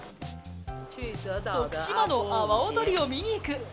徳島の阿波おどりを見に行く。